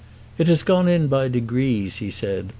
"It has gone in by degrees," he said.